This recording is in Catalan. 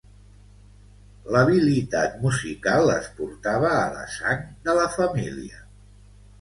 L'habilitat musical es portava a la sang de la família.